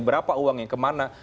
berapa uangnya kemana